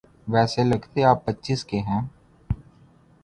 ویسے لگتے آپ پچیس کے ہیں۔